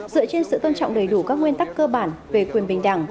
dựa trên sự tôn trọng đầy đủ các nguyên tắc cơ bản về quyền bình đẳng